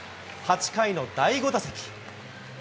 ８回の第５打席。